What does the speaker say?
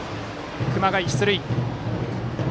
熊谷、出塁。